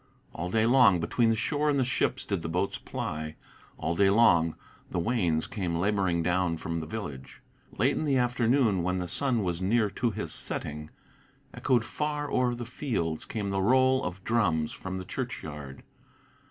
All day long between the shore and the ships did the boats ply; All day long the wains came laboring down from the village. Late in the afternoon, when the sun was near to his setting, Echoed far o'er the fields came the roll of drums from the churchyard.